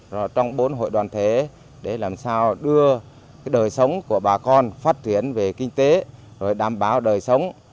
rồi trong bốn hội đoàn thể để làm sao đưa đời sống của bà con phát triển về kinh tế rồi đảm bảo đời sống